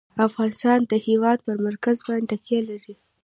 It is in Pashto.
افغانستان د هېواد پر مرکز باندې تکیه لري.